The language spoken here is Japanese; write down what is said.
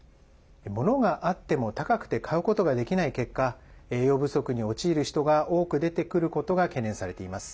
物があっても高くて買うことができない結果栄養不足に陥る人が多く出てくることが懸念されています。